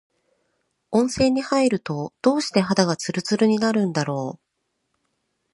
温泉に入ると、どうして肌がつるつるになるんだろう。